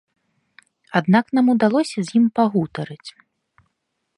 Аднак нам удалося з ім пагутарыць.